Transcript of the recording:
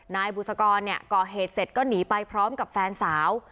นายบุษกรก่อเหตุเสร็จก็หนีไปพร้อมกับแฟนสาว